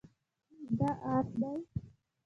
دا اس دی